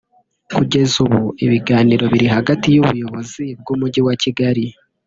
Kugeza ubu ibiganiro biri hagati y’ubuyobozi bw’umujyi wa Kigali